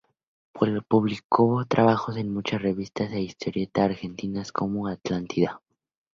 Publicó trabajos en muchas revistas de historieta argentinas como "Atlántida".